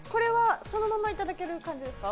そのままいただける感じですか？